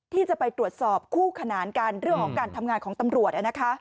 ที่จะไปตรวจสอบคู่ขนานกันเรื่องของการทำงานของตำรวจ